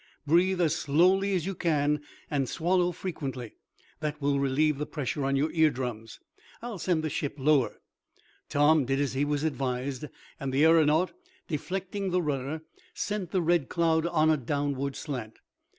Breathe as slowly as you can, and swallow frequently. That will relieve the pressure on your ear drums. I'll send the ship lower." Tom did as he was advised, and the aeronaut, deflecting the rudder, sent the Red Cloud on a downward slant.